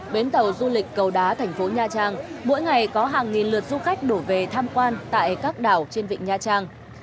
bến tàu du lịch cầu đá thành phố nha trang mỗi ngày có hàng nghìn lượt du khách đổ về tham quan tại các đảo trên vịnh nha trang